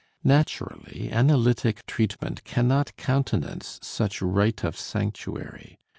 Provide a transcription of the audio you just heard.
Naturally, analytic treatment cannot countenance such right of sanctuary.